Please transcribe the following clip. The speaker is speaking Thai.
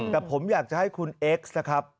แต่ผมอยากจะให้คุณเอ็กซ์นะครับ